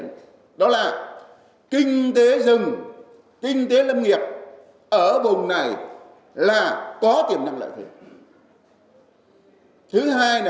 thứ hai là kinh tế đồi gò vùng này có lợi thế